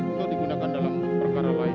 atau digunakan dalam perkara lain